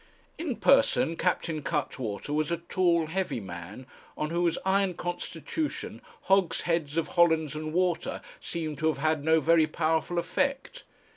In person Captain Cuttwater was a tall, heavy man, on whose iron constitution hogsheads of Hollands and water seemed to have had no very powerful effect.